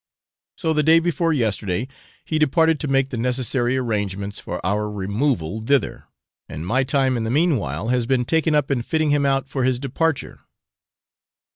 So the day before yesterday he departed to make the necessary arrangements for our removal thither; and my time in the meanwhile has been taken up in fitting him out for his departure.